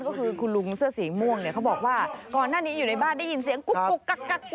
ก็คือคุณลุงเสื้อสีม่วงเนี่ยเขาบอกว่าก่อนหน้านี้อยู่ในบ้านได้ยินเสียงกุ๊กกัก